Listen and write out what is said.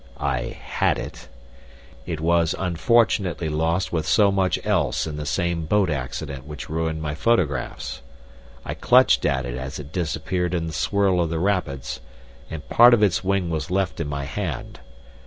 "I had it. It was unfortunately lost with so much else in the same boat accident which ruined my photographs. I clutched at it as it disappeared in the swirl of the rapids, and part of its wing was left in my hand.